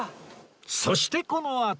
そしてこのあと